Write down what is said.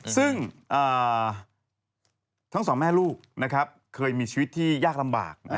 ซึ่งทั้งสองแม่ลูกนะครับเคยมีชีวิตที่ยากลำบาก